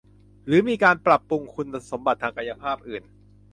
หรือมีการปรับปรุงคุณสมบัติทางกายภาพอื่น